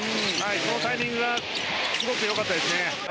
そのタイミングがすごく良かったですね。